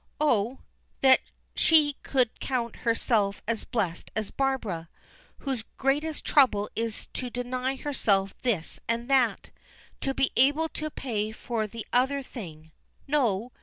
Oh! that she could count herself as blessed as Barbara, whose greatest trouble is to deny herself this and that, to be able to pay for the other thing. No!